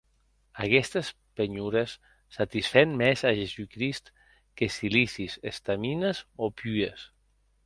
Aguestes penhores satisfèn mès a Jesucrist qu’es cilicis, estamines o pues.